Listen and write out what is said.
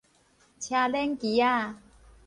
車輪旗仔